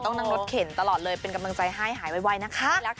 ต้องนั่งรถเข็นตลอดเลยเป็นกำลังใจให้หายไวนะคะ